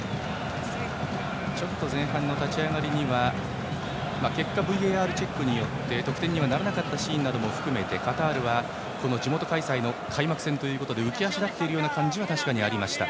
前半の立ち上がりにはＶＡＲチェックによって結果的に得点にはならなかったシーンも含めて、カタールは地元開催の開幕戦ということで浮き足立っているような感じは確かにありました。